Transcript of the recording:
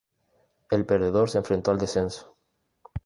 El perdedor se enfrentó al descenso.